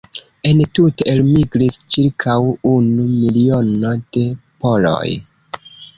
Entute elmigris ĉirkaŭ unu miliono de poloj.